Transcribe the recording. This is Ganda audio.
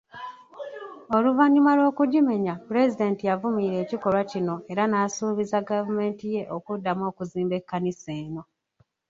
Oluvannyuma lw'okugimenya, Pulezidenti yavumirira ekikolwa kino era n'asuubiza gavumenti ye okuddamu okuzimba ekkanisa eno.